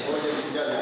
oh jadi sejajar